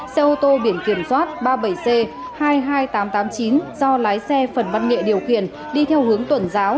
xe ô tô biển kiểm soát ba mươi bảy c hai mươi hai nghìn tám trăm tám mươi chín do lái xe phần văn nghệ điều khiển đi theo hướng tuần giáo